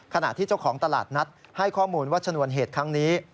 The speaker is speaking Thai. ขณะที่เจ้าของตลาดนัดให้ข้อมูลว่าชนวนเหตุครั้งนี้